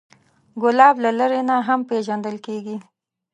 ګلاب له لرې نه هم پیژندل کېږي.